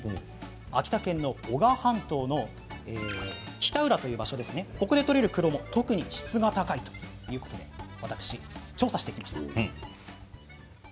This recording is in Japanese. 秋田県の男鹿半島の北浦という場所で取れるクロモ特に質が高いということで私、調査してきました。